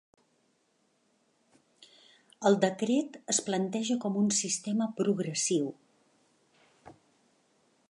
El decret es planteja com un sistema progressiu.